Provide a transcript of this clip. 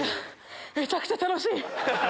めちゃくちゃ楽しい！